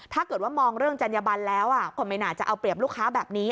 ถ้าเกิดว่ามองเรื่องจัญญบันแล้วก็ไม่น่าจะเอาเปรียบลูกค้าแบบนี้